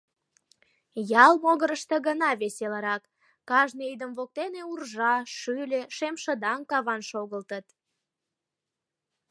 Ял могырышто гына веселарак: кажне идым воктене уржа, шӱльӧ, шемшыдаҥ каван шогылтыт.